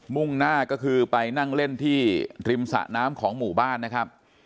มุ่งหน้าก็คือไปนั่งเล่นที่ริมสะน้ำของหมู่บ้านนะครับ